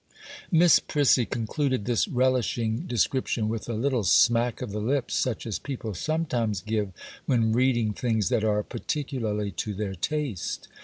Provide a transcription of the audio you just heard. Miss Prissy concluded this relishing description with a little smack of the lips, such as people sometimes give when reading things that are particularly to their taste.